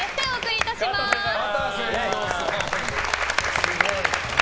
すごい。